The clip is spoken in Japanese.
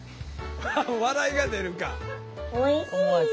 笑いが出るか。